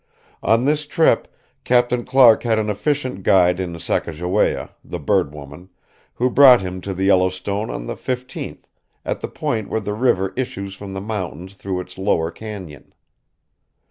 On this trip Captain Clark had an efficient guide in Sacajawea, the "Bird Woman," who brought him to the Yellowstone on the 15th, at the point where the river issues from the mountains through its lower cañon.